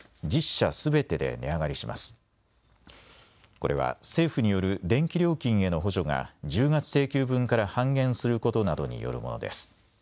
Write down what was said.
これは政府による電気料金への補助が１０月請求分から半減することなどによるものです。